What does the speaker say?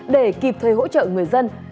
để kịp thuê hỗ trợ người dân